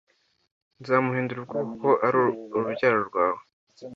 nzamuhindura ubwoko kuko ari urubyaro rwawe